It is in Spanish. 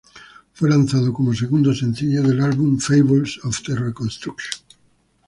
Fue lanzado cómo segundo sencillo del álbum Fables of the Reconstruction.